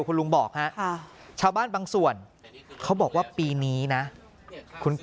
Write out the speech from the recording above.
คุณลุงบอกฮะชาวบ้านบางส่วนเขาบอกว่าปีนี้นะ